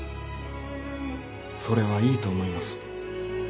それはいいと思います。